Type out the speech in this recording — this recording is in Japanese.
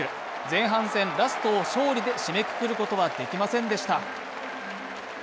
前半戦ラストを勝利で締めくくることはできませんでした。